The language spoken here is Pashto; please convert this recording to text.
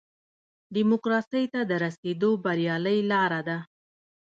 ډیموکراسۍ ته د رسېدو بریالۍ لاره ده.